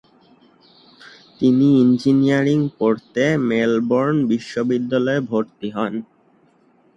তিনি ইঞ্জিনিয়ারিং পড়তে মেলবোর্ন বিশ্ববিদ্যালয়ে ভর্তি হন।